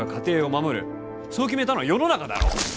そう決めたのは世の中だろ。